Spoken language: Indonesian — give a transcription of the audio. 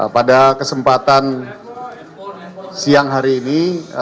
pada kesempatan siang hari ini